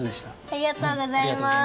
ありがとうございます。